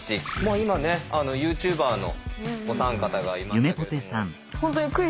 今ねユーチューバーのお三方がいましたけれども。